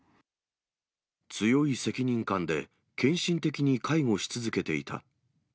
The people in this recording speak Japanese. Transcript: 強い責任感で献身的に介護し続けていた。